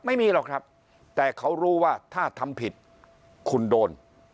ไม่มีหรอกครับแต่เขารู้ว่าถ้าทำผิดคุณโดน